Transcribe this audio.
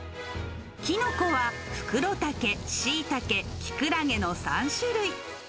キノコはフクロタケ、シイタケ、キクラゲの３種類。